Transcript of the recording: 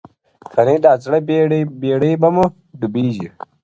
کنې دا زړه بېړی به مو ډوبېږي-